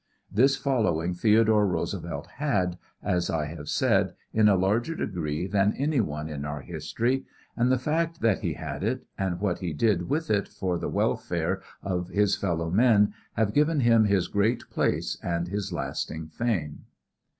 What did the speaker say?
This following Theodore Roosevelt had, as I have said, in a larger degree than anyone in our history, and the fact that he had it and what he did with it for the welfare of his fellow men have given him his great place and his lasting fame.